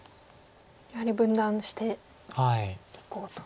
やはり分断していこうと。